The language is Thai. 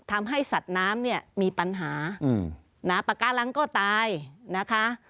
ทำให้สัตว์น้ำเนี่ยมีปัญหานะปากกาลังก็ตายนะคะ